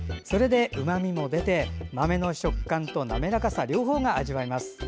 それで、うまみも出て豆の食感と滑らかさ両方が味わえます。